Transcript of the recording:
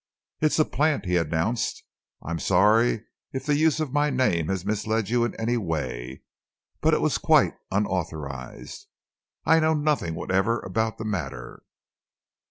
"It's a plant," he announced. "I'm sorry if the use of my name has misled you in any way, but it was quite unauthorised. I know nothing whatever about the matter."